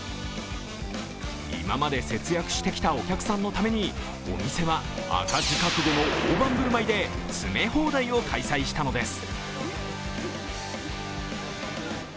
今まで節約してきたお客さんのためにお店は赤字覚悟の大盤振る舞いで詰め放題を開催したのです。